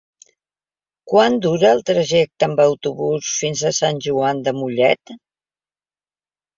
Quant dura el trajecte en autobús fins a Sant Joan de Mollet?